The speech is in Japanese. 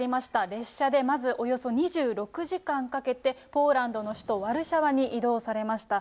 列車でまずおよそ２６時間かけて、ポーランドの首都ワルシャワに移動されました。